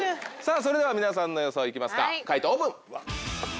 それでは皆さんの予想行きます解答オープン！